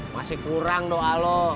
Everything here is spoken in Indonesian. masih kurang doa lo